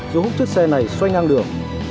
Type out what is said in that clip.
rồi hút chiếc xe này xoay ngang đường